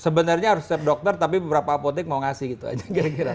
sebenarnya harus setiap dokter tapi beberapa apotek mau ngasih gitu aja kira kira